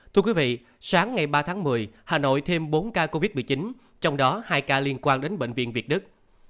thưa quý vị sáng ngày ba tháng một mươi hà nội thêm bốn ca covid một mươi chín trong đó hai ca liên quan đến bệnh viện việt đức